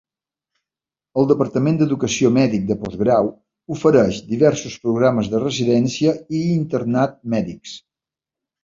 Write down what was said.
El departament d'educació mèdic de postgrau ofereix diversos programes de residència i internat mèdics.